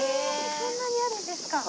そんなにあるんですか。